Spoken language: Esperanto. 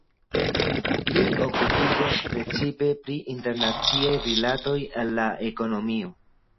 Li okupiĝas precipe pri internaciaj rilatoj en la ekonomio.